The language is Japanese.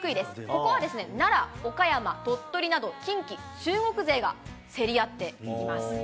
ここはですね、奈良、岡山、鳥取など近畿、中国勢が競り合っています。